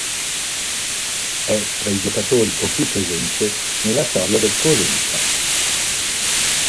È tra i giocatori con più presenze nella storia del Cosenza.